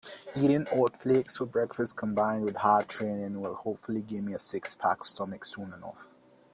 Eating oat flakes for breakfast combined with hard training will hopefully give me a six-pack stomach soon enough.